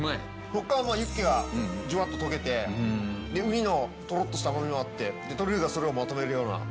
ユッケがジュワッと溶けてウニのとろっとした甘みもあってトリュフがそれをまとめるような。